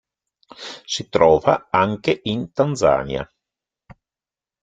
Si trova anche in Tanzania.